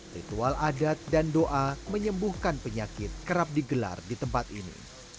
ritual adat dan doa menyembuhkan penyakit kerap digelar di tempat ini